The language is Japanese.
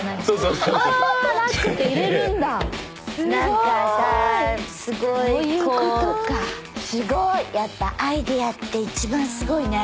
すごい。